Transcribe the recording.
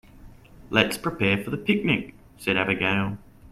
"Let's prepare for the picnic!", said Abigail.